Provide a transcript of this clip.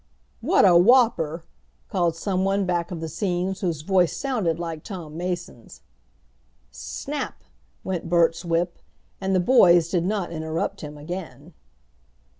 "What a whopper!" called someone back of the scenes whose voice sounded like Tom Mason's. Snap! went Bert's whip, and the boys did not interrupt him again.